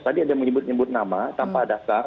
tadi ada menyebut nyebut nama tanpa daftar